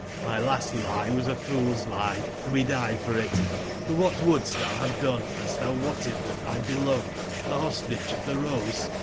jVIy last lie was a fool's lie and we die for it : for wbat wouldst tbou bave done badst tbou wotted tbat tby beloved, tbe Hostage of tbe Rose :"♦..